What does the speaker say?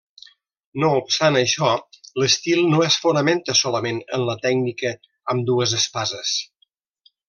No obstant això, l'estil no es fonamenta solament en la tècnica amb dues espases.